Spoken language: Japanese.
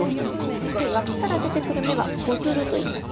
そしてわきから出てくる芽は子づるといいます。